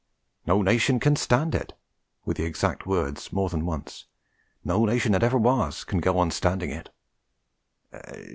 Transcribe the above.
'No nation can stand it,' were the exact words more than once. 'No nation that ever was, can go on standing it.'